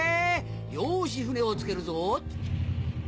よし船をつけるぞ。